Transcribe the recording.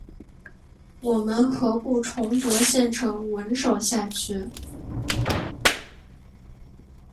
我们何不重夺县城稳守下去？